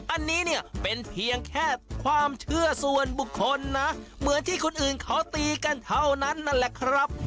อันนี้เนี่ยเป็นเพียงแค่ความเชื่อส่วนบุคคลนะเหมือนที่คนอื่นเขาตีกันเท่านั้นนั่นแหละครับ